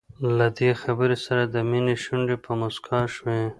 له دې خبرې سره د مينې شونډې په مسکا شوې.